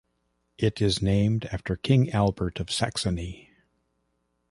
It is named after King Albert of Saxony.